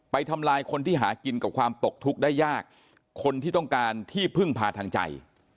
ทำลายคนที่หากินกับความตกทุกข์ได้ยากคนที่ต้องการที่พึ่งพาทางใจ